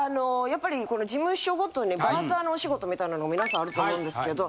やっぱりこの事務所ごとにバーターのお仕事みたいなの皆さんあると思うんですけど